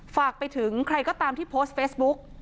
ฝากไปถึงใครก็ตามที่โพสต์เฟซบุ๊ก